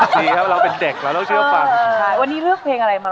เขาโตมาแยกแยะได้ก็หรืนให้พ่อมา